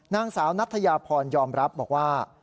นางสาวนัทยาพรยอมรับบอกว่า